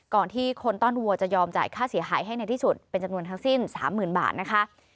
ก่อนที่คนต้อนวัวจะยอมจ่ายค่าเสียหายให้ในที่สุดเป็นจำนวนทั้งสิ้น๓๐๐๐บาทนะคะ